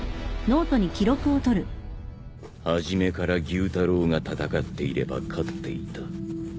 初めから妓夫太郎が戦っていれば勝っていた。